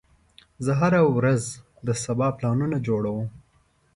زه هره ورځ د سبا پلانونه جوړوم.